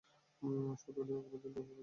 সপ্তমটি পর্যন্ত এভাবেই রয়েছে।